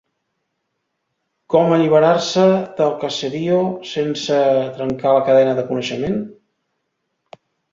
Com alliberar-se del ‘caserio’ sense trencar la cadena de coneixement ?